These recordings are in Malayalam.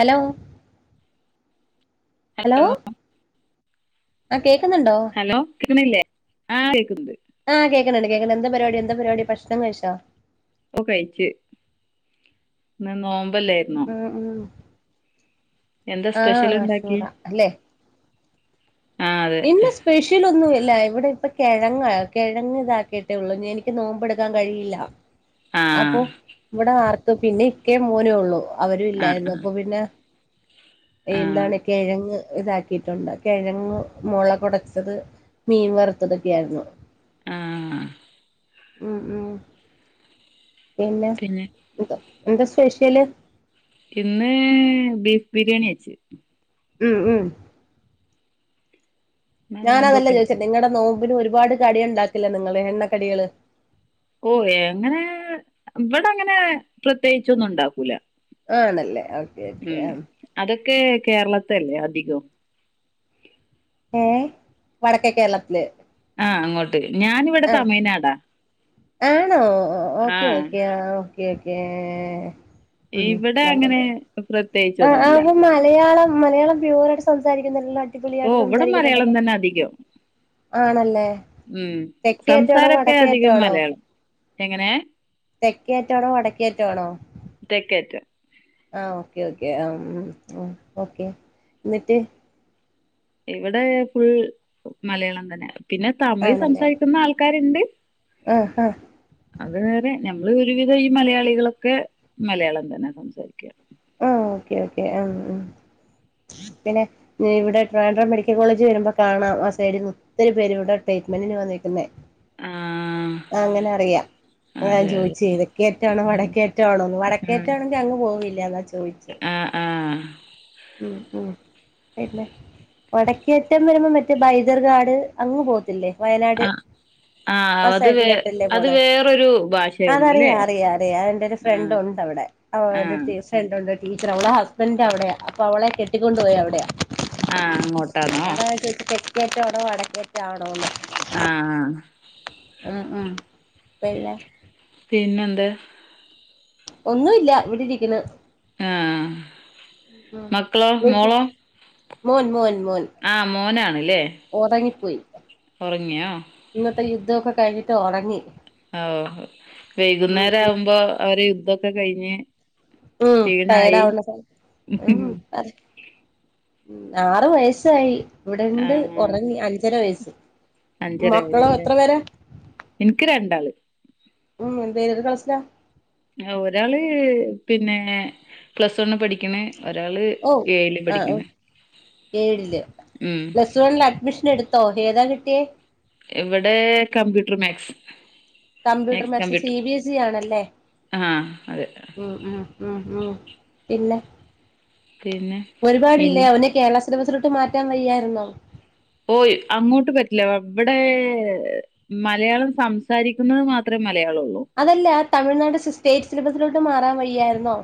ഹലോ? ഹലോ, ആ കേക്കുന്നുണ്ടോ ഹലോ കേക്കുന്നില്ലേ ആഹ് കേക്കണ്ട്. ആഹ് കേക്കണുണ്ട്, കേക്ക്‌ന്ന് എന്ത പരിപാടി, എന്ത പരിപാടി ഭക്ഷണം കഴിച്ചോ? ഓ കഴിച്ച് ഇന്ന് നോമ്പല്ലായിരു ആ, എന്താ ആ സ്പെഷ്യൽ ആഹ് ഉണ്ടാക്കി മശൂറ അല്ലെ. ആ അതെ ഇന്ന് സ്പെഷ മുച്ചിലൊന്നും ഇല്ല ഇവിടെ ഇപ്പ കെഴങ്ങ കെഴങ് ഇതാക്കിയിട്ടേ ഉള്ളൂ എനിക്ക് നോമ്പെടുക്കാൻ കഴിയില്ല. ആഹ് അപ്പൊ ഇവിടെ ആർത്ത് പിന്നെ ഇക്കേ മോനേ ഉള്ളൂ. അവരു ആഹ് ഇല്ലായിരുന്നു ആഹ് അപ്പ പിന്നെ ആഹ് എന്താണ് കെഴങ്ങ്. ഇതാക്കിയിട്ടുണ്ട് കെഴങ്ങ് മൊളകൊടച്ചത് മീൻ വറുത്തതൊക്കെ ആയിരുന്നു. ആ ഉം ഉം പിന്നെ എന്ത എന്താ സ്പെഷ്യല്? ഇന്ന് ബീഫ് ബിരിയാണി വെച്ച്. ഉം, ഉം ഇന്ന് ഞാനതല്ല നോമ്പൊക്കെ ചോയിച്ചേ അല്ലേ? നിങ്ങടെ നോമ്പിന് ഒരുപാട് കടിയ ഇണ്ടാക്കില്ലെ നിങ്ങള് എണ്ണക്കടികള്. ഓ എങ്ങനെ ഇവിടങ്ങനെ പ്രത്യേകിച്ചൊന്നും ഉണ്ടാക്കൂല. ആണല്ലേ ഓക്കേ, ഓക്കെ ഉം ആ അതൊക്കെ കേരളത്തല്ലേ അധികോം. ഏ വടക്കേ കേരളത്തില്. ആഹ് അങ്ങോട്ട് ഞാനിവിടെ ആ തമിഴ്നാട. ആണോ ഓക്കെ, ഓക്കേ, ആ ഓക്കേ, ഓക്കേ. ഇവിടെ അങ്ങനെ പ്രത്യേകി ആ, ആ ആപ്പം മലയാളം, മലയാളം പ്യൂർ ആയിട്ട് സംസാരിക്കുന്നല്ലോ. ഓ ഇവടെ മലയാളം തന്നെ അധികം ആണല്ലേ മ് തെക്കേയറ്റാണോ സംസാരൊക്കെ അധികം വടക്കേയറ്റാണോ മലയാളം എങ്ങനെ തെക്കേ അറ്റാണോ വടക്കേ അറ്റാണോ? തെക്കേറ്റം ആഹ് ഓക്കെ ഓക്കെ ആം മ് ഓക്കെ എന്നിട്ട് ഇവിടെ ഫുൾ മലയാളം തന്നെ, പിന്നെ തമിഴിൽ സംസാരിക്കുന്ന ആൾക്കാരിണ്ട്. ആഹ് ഹാ അത് വേറെ ഞമ്മള് ഒരുവിധം ഈ മലയാളികളൊക്കെ മലയാളം തന്നെ സംസാരിക്കുക. ആഹ് ഓക്കെ ഓക്കെ ആം മ് പിന്നെ പിന്നെ ഇവിടെ ട്രിവാൻഡ്രം മെഡിക്കൽ കോളജ് വരുമ്പോ കാണാം ആ സൈഡിൽ ഒത്തിരി പേരിവിടെ ട്രീറ്റ്മെന്റിന് വന്നേക്കുന്നേ ആഹ് അങ്ങനെ അറിയാം. അതാ ഞാൻ അതെ അതെ ചോയിച്ചേ തെക്കേ അറ്റാണോ വടക്കേ അറ്റോ ആണോന്ന് ആഹ് വടക്കേറ്റാണെങ്കിൽ അങ്ങ് പോവില്ല അതാ ചോയിച്ചേ. ആഹ് ആഹ് [inaudible] പിന്നെ വടക്കേ അറ്റം വരുമ്പോ മറ്റേ ബൈദർഗാട് അങ്ങ് പോകത്തില്ലേ. വയനാട് ആഹ് ആ ആഹ് അത് വേ സൈഡിലെട്ടല്ലേ അത് പോണേ, വേറൊരു അതറിയ ഭാഷയൊന്നുല്ലേ അറിയാ അറിയാ എന്റെ ഒരു ആഹ് ഫ്രണ്ട് ഉണ്ട് അവിടെ. ആഹ് [unintelligible] ഫ്രണ്ട് ഉണ്ട് ടീച്ചറാ അവള ഹസ്ബൻഡ് അവിടെയാ അപ്പ അവളെ കെട്ടിക്കൊണ്ട് പോയ അവിടെയാ. ആഹ് അങ്ങോട്ടാണോ ഞാനതാ ചോയിച്ചേ തെക്കേ അറ്റാണോ വടക്കേ അറ്റാണോന്ന്. ആഹ് ആഹ് മ് മ് പിന്നെ പിന്നെ എന്ത് ഒന്നുല്ല ഇവിടെ ഇരിക്കണ്. ആഹ് മക്കളോ മ് [unintelligible] മോളോ മോൻ മോൻ മോൻ ആഹ് മോനാണല്ലേ ഒറങ്ങിപ്പോയി ഒറങ്ങിയോ? ഇന്നത്തെ യുദ്ധോക്കെ കഴിഞ്ഞിട്ട് ഒറങ്ങി. ഓഹ് ഉം വൈകുന്നേരം ഉം ആവുമ്പോ അവര് യുദ്ധോക്കെ കഴിഞ്ഞ് ൻ ടയേഡ് ക്ഷീണായി ആവണ്ട [unintelligible] മ് ആറ് വയസായി ഇവിടെണ്ട് ആഹ് ഒറങ്ങി അഞ്ചര വയസ്സ്. അഞ്ചര മക്കളോ വയസ്സ്ലേ എത്ര പേരാ എനിക്ക് രണ്ടാള്. മ് [unintelligible] [unintelligible] ഒരാള് പിന്നെ പ്ലസ് വൺ പഠിക്കണ്. ഒരാള് ഓഹ് ഏഴില് ആഹ് പഠിക്ക്ണ് ഏഴില് ഉം പ്ലസ് വണ്ണിൽ അഡ്മിഷൻ എടു ത്തോ? ഏതാ കിട്ടിയെ? ഇവിടെ computer maths. Computer maths, C B S C ആണല്ലേ ആഹ് അതെ മ് മ് മ് മ് പിന്നെ പിന്നെ ഇൻ ഒരുപാടില്ലേ അവന് കേരള സിലബസിലോട്ട് മാറ്റാൻ വയ്യായിരുന്നോ. ഓയ് അങ്ങോട്ട് പറ്റില്ല, ഇവിടെ മലയാളം സംസാരിക്കുന്നത് മാത്രേ മലയാളം ഒള്ളൂ. അതല്ല ആ തമിഴ്നാട് സ് സ്റ്റേറ്റ് സിലബസിലോട്ട് മാറാൻ വയ്യായായിരുന്നോ.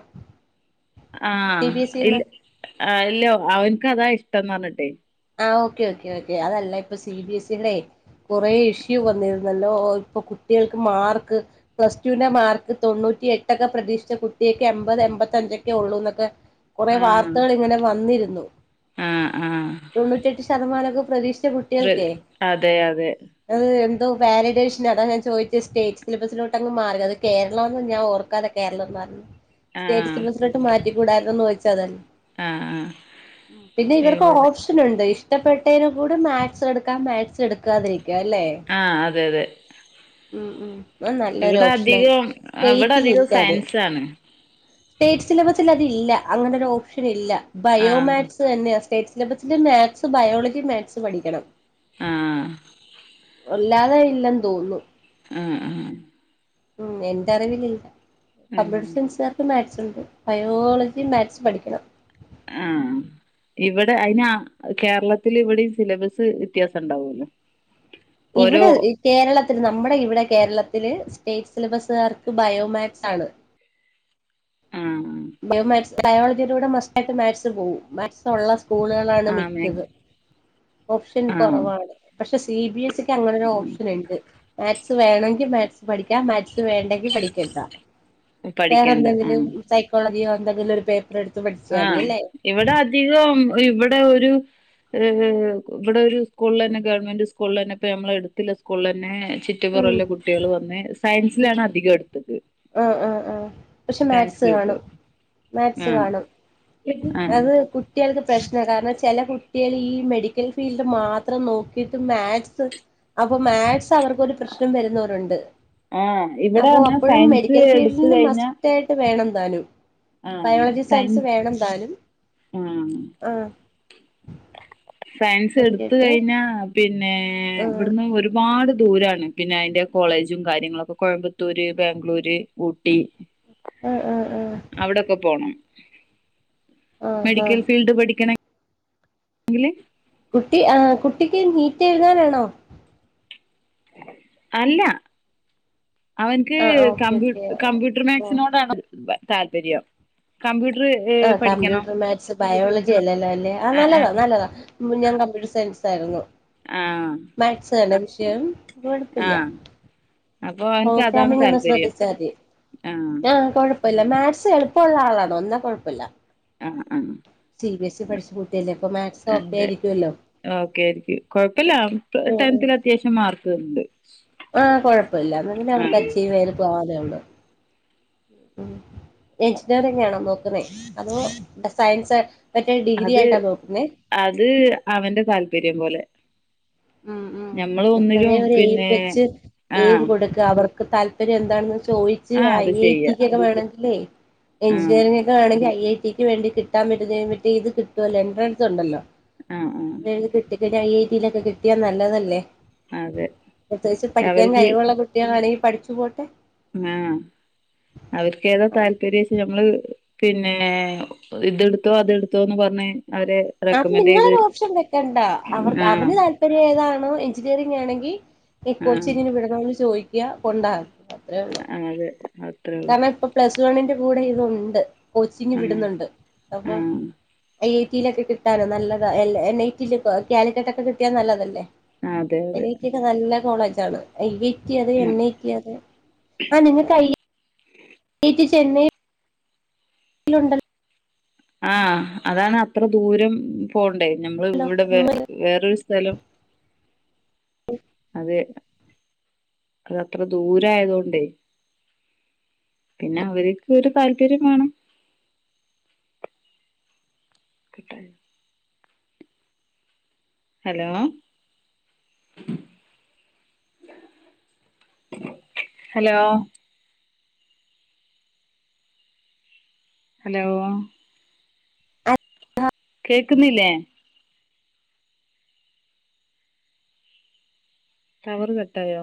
ആഹ് ഇല് ആഹ് ഇല്ലോ അവനക്ക് അതാ ഇഷ്ടംന്ന് പറഞ്ഞിട്ടെ. ആഹ് ഓക്കെ ഓക്കെ ഓക്കെ അതല്ല ഇപ്പ സി ബി എസ് സിടെ കൊറേ ഇഷ്യൂ വന്നിരുന്നല്ലോ ഇപ്പ കുട്ടികൾക്ക് മാർക്ക് പ്ലസ് ടുന്റെ മാർക്ക് തൊണ്ണൂറ്റി എട്ടൊക്കെ പ്രതീക്ഷിച്ച കുട്ടിയക്ക് എമ്പത് എൺപത്തഞ്ചൊക്കെ ഒള്ളൂന്നൊക്കെ കുറെ ആഹ് വാർത്തകളിങ്ങനെ വന്നിരുന്നു. ആഹ് ആഹ് തൊണ്ണൂറ്റെട്ട് ശതമാനൊക്കെ പ്രതീക്ഷിച്ച കു പ്ര അതെ യതെ അത് എന്തോ വാലിഡേഷൻ അതാ ഞാൻ ചോയ്ച്ചു സ്റ്റേറ്റ് സിലബസിലോട്ടങ് മാറിയത് അത് കേരളോന്ന് ഞാൻ ഓർക്കാതെ കേരളം മാ [unintelligible] ഉ [unintelligible] സ്റ്റേറ്റ് സിലബസിലോട്ട് മാറ്റി കൂടാര്ന്നോന്ന് ചോയ്ച്ചാ അതായിര്ന്നു. ആഹ് ആഹ് ഉം പിന്നെ ഇവർക്ക് ഇവിടെ ഓപ്ഷ് ന്ണ്ട് ഇഷ്ടപ്പെട്ടയ്നെ കൂടി മാത്സെടുക്കാം മാത്സ് എട്ക്കാതിരിക്കാം ല്ലെ ആഹ് അതെ യതെ ഉം ഉം അത് നല്ലൊരോപ്ഷനായി അധികം പക്ഷെ ഇവിടെ അധികം സ്റ്റേറ്റിലില്ലത്. സയൻസാണ് സ്റ്റേറ്റ് സിലബസിലതില്ല അങ്ങനൊരോപ്ഷനില്ല ആഹ് ബയോമാത്‌സെന്യാ സ്റ്റേറ്റ് സിലബസി [unintelligible] മാത്സ് ബയോളജിം മാത്സ് പഠിക്കണം. ആഹ് അല്ലാതെ ഇല്ലെന്ന് തോന്നുന്നു. ആഹ് ആഹ് ഉം എന്ററിവിലില്ല ഉം കമ്പ്യൂട്ടർ സയൻസാര് മാത്സ്ണ്ട് ബയോളജിം മാത്സ് പഠിക്കണം. ആഹ് ഇവടെ അയ്ന കേരളത്തില് ഇവടിം സിലബസ് വെത്യാസണ്ടാവല്ലോ. ഇവടെ ഇ കേരളത്തിൽ നമ്മടെ ഇവടെ കേരളത്തില് സ്റ്റേറ്റ് സിലബസാർക്ക് ബയോമാത്‌സാണ്. ആഹ് ബയോ മാത്സ് ബയോളജിടൂടെ മസ്റ്റായിട്ട് മാത്സ് പോകും മാത് സൊള്ള സ്കൂളുകളാണ് ആഹ് മിക്കത്. മാക്സ് ഓപ്ഷൻ ആഹ് കൊറവാണ് പക്ഷെ സി ബി എസ് സിക്ക് അങ്ങനൊരോരുപ്ഷന്ണ്ട്. മാത്സ് വേണെങ്കിൽ മാത്സ് പഠിക്കാം മാത്സ് വേണ്ടെങ്കി പഠിക്കണ്ടാ. വേറെ പഠിക്കണ്ട ന്തെങ്കിലും ആഹ് സൈക്കോളജിയോ എന്തെങ്കിലും ഒരു പേപ്പറെട്ത്ത് പഠിച്ചാതി അല്ലേ. ഇവടെ അധികം ഇവടെ ഒരു ഏഹ് ഇവടൊരു സ്കൂളിലെന്നെ ഗവൺമെന്റ് സ്കൂളെന്നെ ഇപ്പ നമ്മളെട്ത്ത്ല്ലെ സ്കൂൾളെന്നെ ചി റ്റി ഉം പൊറൊള്ള കുട്ട്യെള് വന്ന് ഉം സയൻസിലാണ് അധികെട്ത്തത്. ആഹ് ആഹ് ആഹ് പക്ഷെ മാത്സ് ഗ്രൂപ്പ് കാണും മാത്സ് ആഹ് കാണും ആഹ് അത് കു ട്ട്യെൾക്ക് പ്രശ്ന കാരണം ചെല കുട്ട്യെളീ മെഡിക്കൽ ഫീൽഡ് മാത്രം നോക്കിട്ട് മാത്സ് അപ്പം മാത്സ് അവർക്കൊര് പ്രശ്നം വെര്ന്നവരുണ്ട് ആഹ് ഇവിടെ അപ്പോ പറഞ്ഞാ അപ്പൊഴും സയൻസ് മെഡിക്കൽ എടുത്ത് ഫീൽഡിന് കഴിഞ്ഞ മസ്റ്റായി ട്ട് വേണ താനും ബയോളജി സയൻസ് വേണം താനും ആഹ് ആഹ് ഓക്കെ സയൻസെട്ത്ത് ഓക്കെ കഴിഞ്ഞാ പിന്നെ ആഹ് ഇബട്ന്ന് ഒരു പാട് ദൂരാണ് പിന്നെ അയ്ന്റെ കോളേജും കാര്യങ്ങളൊക്കെ കോയമ്പത്തൂര്, ബാംഗ്ലൂര്, ഊട്ടി, ആഹ് ആഹ് ആഹ് അവടെക്കെ പോണം ആഹ് മെഡിക്കൽ ആഹ് ഫീൽഡ് പഠി ങ്കില് കുട്ടി ആഹ് കുട്ടിക്ക് നീറ്റെഴ്താനാണോ? അല്ല അവൻക്ക് ആഹ് ഓക്കെ കമ്പ്യൂ ഓക്കെ കമ്പ്യൂട്ടർ ആഹ് മാക്സിനോടാണ് ബ താല്പര്യം. കമ്പ്യൂട്ട്റ് [unintelligible] ആഹ് കമ്പ്യൂട്ടർ മാത് സ് ബയോളജിയല്ലല്ലോ അല്ലേ ആഹ് ആ ആ നല്ലതാ നല്ലതാ ഞാൻ കമ്പ്യൂട്ടർ സയൻസായിരുന്നു ആ മാത്സ് തന്നെ വിഷയം ആ കൊഴപ്പ്യല്ല അപ്പൊ അവൻക്ക് അതാണ് പ്രോഗ്രാമിങ്ങൊന്ന് താല്പര്യം ശ്രദ്ധിച്ചാതി ആ ആഹ് കൊഴ പ്പമില്ല മാത്സ് എളുപ്പമുള്ള ആളാണോ എന്നാ കുഴപ്പമില്ല ആഹ് ആഹ് സി ബി എസ് ഇ പഠിച്ച കുട്ടിയല്ലേ അപ്പ മാത്സ് ഒക്കെയായിരിക്കുവല്ലോ? ഓക്കെയായിരിക്കും കൊഴപ്പല്ല ഉം ഉം ടെൻത്തിലത്യാവിശ്യം മാർക്ക്ണ്ട്. ആഹ് കൊഴപ്പയില്ല ഇന്നാ പിന്നെ അവർക്ക് അച്ചീവെയ്ത് പോവാന്നെയൊള്ളു ഉം എഞ്ചിനീയറിംങ്ങാണോ നോക്കുന്നേ അതോ സയൻസാ മറ്റേ അത് ഡിഗ്രിയായിട്ടാ നോക്കുന്നേ? അത് അവന്റെ താല്പര്യം പോലെ ഉം, ഉം ഞമ്മൾ എപ്പഴേ ഒന്നിലും ഒരു എയിം പിന്നെ വെച്ച് ആ എയിം കൊടുക്ക അവർക്ക് താല്പര്യം എന്താണെന്ന് ചോദിച്ച് ആ ഐ അത് ഐ ചെയ്യാ ടി ക്കെക്കെ വേണങ്കില് ആ എഞ്ചിനീയറിംഗെക്കെ ട്ടുവാണെങ്കി ഐ ഐ ടിക്ക് വേണ്ടി കിട്ടാൻ പറ്റ്ന്നേ മറ്റേയിത് കിട്ടുവല്ലോ എൻട്രൻസൊണ്ടല്ലോ.. ആ ആ അതെഴുതി കിട്ടിക്ക പിന്നെ ഐ ഐ ടിയിലൊക്കെ കിട്ടിയാ നല്ലതല്ലേ? അതെ പ്രത്യേകിച്ച് പക്ഷെ പഠിക്കാൻ അവർക്ക് കഴിവുള്ള കുട്ടികളാണെങ്കിൽ പഠിച്ചു പോട്ടെ, ങ്ങാ അവർക്കേതാ താല്പര്യച്ചാ നമ്മള് പിന്നെ ഇതെടുത്തോ അതെടുത്തോന്ന് പറഞ്ഞ് അവരെ.. അത് റെക്കമെന്റ് ചെയ്ത് നിങ്ങളൊരു ഓപ്ഷൻ വെക്കണ്ട അവർ ആഹ് അവന് താൽ പര്യയേതാണോ എഞ്ചിനീയറിംങ്ങാണെങ്കി ഈ ആഹ് കോച്ചിങ്ങിന് വിട ചോദിക്ക കൊണ്ടാക്കാ അത്രേയൊള്ളൂ അതെ അത്രേ ഉള്ളൂ കാരണം ഇപ്പ പ്ലസ് വണ്ണിന്റെ കൂടെയിതുണ്ട് കോച്ചിങ്ങ് ആഹ് വിടുന്നുണ്ട്. അപ്പൊ ആഹ് ഐ ഐയ്റ്റയിലൊക്കെ കിട്ടാനോ നല്ലതാ എൻ ഐ റ്റി ലെക്കെ കാലിക്കറ്റൊക്കെ കിട്ടിയാ നല്ലതല്ലേ? അതെ എൻ അതെ ഐ ടി യെക്കെ നല്ല കോളേജാണ് ഐ ഐ റ്റി അത് എൻ ഉം ഐ റ്റി യതെ ആഹ് നിങ്ങക്ക് ഐ ഐ റ്റി ചെന്നൈ ലുണ്ടല്ലോ? ആഹ് അതാണ് അത്ര ദൂരം പോണ്ടേ നമ്മള് വടെ വേറെ വേറൊരു സ്ഥ ലം അതെ അതത്ര ദൂരായതോണ്ടേ പിന്നെ അവര്ക്കൊരു താല്പര്യം മാണം വെക്കട്ടെ ഹലോ ഹലോ ഹലോ ആഹ് [unintelligible] കേക്ക്ന്നില്ലേ? ടവർ കട്ടായോ?